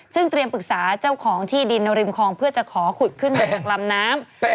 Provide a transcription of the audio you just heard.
ซึ่งเตรียมปรึกษาเจ้าของที่ดินริมคลองเพื่อจะขอขุดขึ้นมาจากลำน้ำ